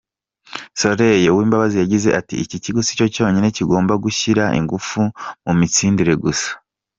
Soeur Uwimbabazi yagize ati: “ikigo si cyo cyonyine kigomba gushyira ingufu mu mitsindire gusa.